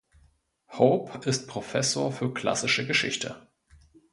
Hope ist Professor für klassische Geschichte.